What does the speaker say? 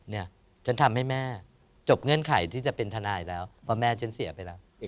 เนี่ยฉันทำให้แม่จบเงื่อนไขที่จะเป็นทนายแล้วเพราะแม่ฉันเสียไปแล้ว